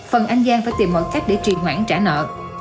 phần anh giang phải tìm mọi cách để trì hoãn trả nợ